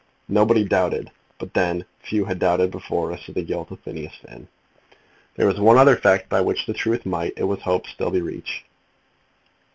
Nobody doubted; but then but few had doubted before as to the guilt of Phineas Finn. There was one other fact by which the truth might, it was hoped, still be reached.